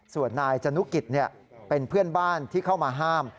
ส่วนนายจนุกิจเป็นเพื่อนบ้านที่เข้ามาห้าม